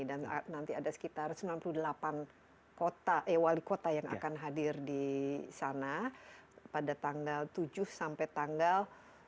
dan nanti ada sekitar sembilan puluh delapan kota eh wali kota yang akan hadir di sana pada tanggal tujuh sampai tanggal sepuluh